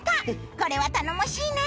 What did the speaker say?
これは頼もしいね！